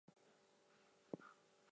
Every moment is a fresh beginning